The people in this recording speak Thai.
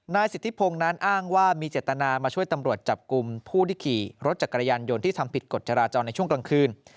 นายสิทธิพงศ์นั้นอ้างว่ามีเจตนามาช่วยตำรวจจับกลุ่มผู้ที่ขี่รถจักรยานยนต์ที่ทำผิดกฎจราจรในช่วงกลางคืน